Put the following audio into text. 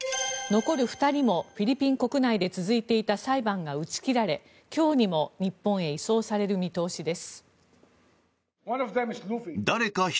残る２人もフィリピン国内で続いていた裁判が打ち切られ今日にも日本へ移送される見通しです。